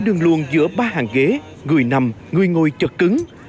hai đường luồng giữa ba hàng ghế người nằm người ngồi chật cứng